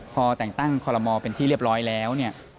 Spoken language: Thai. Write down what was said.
พอแต่งตั้งคอลมาวเป็นที่เรียบร้อยแล้ว